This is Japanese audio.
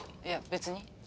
いや別に。